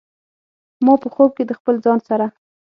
ما په خوب کې د خپل ځان سره